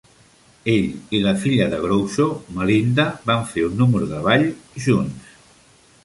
Ell i la filla de Groucho, Melinda, van fer un número de ball junts.